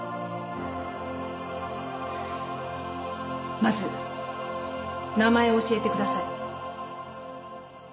まず名前を教えてください。